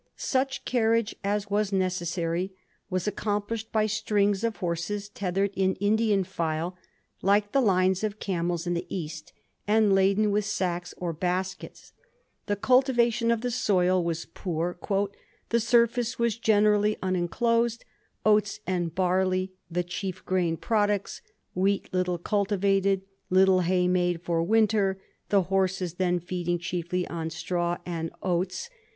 Such carriage as was necessary was accomplished by strings of horses tethered in Indian file, like the lines of camels in the East, and laden with sacks or baskets. The cultivation of the soil was poor ;* the surface was generally imenclosed ; oats and barley the chief grain products ; wheat little cultivated ; little hay made for winter ; the horses then feeding chiefly on straw and oats.'